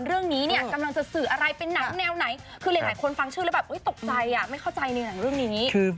คือหลายคนฟังชื่อแล้วแบบตกใจไม่เข้าใจในเรื่องรื่องนี้